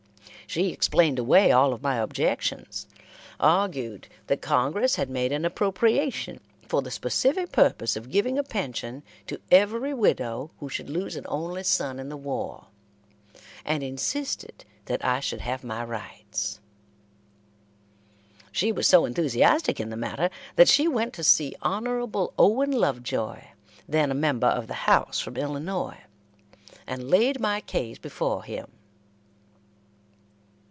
She explained away all of my objections argued that Congress had made an appropriation for the specific purpose of giving a pension to every widow who should lose an only son in the war, and insisted that I should have my rights. She was so enthusiastic in the matter that she went to see Hon. Owen Lovejoy, then a member of the House from Illinois, and laid my case before him.